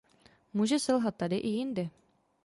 Může selhat tady i jinde.